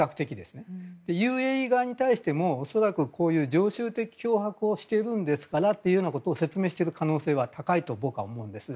ＵＡＥ側に対しても恐らくこういう常習的脅迫をしているんですからと説明している可能性は高いと僕は思うんです。